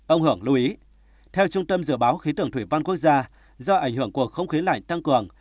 ông hưởng lưu ý theo trung tâm dự báo khí tượng thủy văn quốc gia do ảnh hưởng của không khí lạnh tăng cường